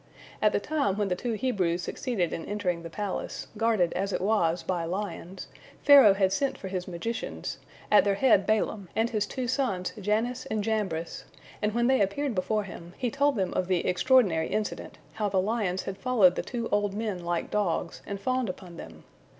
At the time when the two Hebrews succeeded in entering the palace, guarded as it was by lions, Pharaoh had sent for his magicians, at their head Balaam and his two sons Jannes and Jambres, and when they appeared before him, he told them of the extraordinary incident, how the lions had followed the two old men like dogs, and fawned upon them.